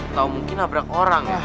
atau mungkin nabrak orang ya